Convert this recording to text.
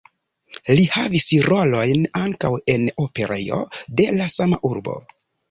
Li havis rolojn ankaŭ en operejo de la sama urbo.